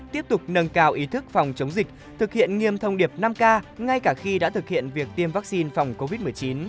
tiếp tục nâng cao ý thức phòng chống dịch thực hiện nghiêm thông điệp năm k ngay cả khi đã thực hiện việc tiêm vaccine phòng covid một mươi chín